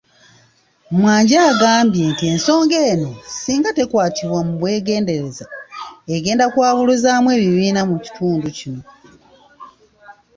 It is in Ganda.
Mwanje agambye nti ensonga eno singa tekwatibwa mu bwegendereza egenda kwabuluzaamu ekibiina mukitundu kino.